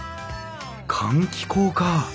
換気口か！